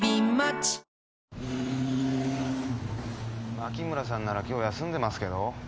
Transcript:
槙村さんなら今日休んでますけど。